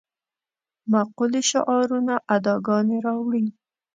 مقولې شعارونه ادعاګانې راوړې.